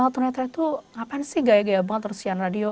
tunanetra itu ngapain sih gaya gaya banget terus sian radio